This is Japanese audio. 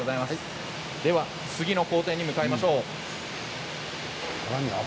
次の工程に向かいましょう。